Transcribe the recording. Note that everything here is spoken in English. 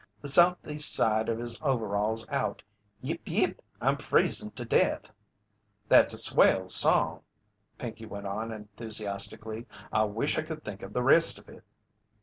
The southeast side of his overalls out Yip yip, I'm freezin' to death!" "That's a swell song," Pinkey went on enthusiastically. "I wish I could think of the rest of it."